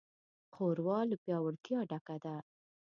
ښوروا له پیاوړتیا ډکه ده.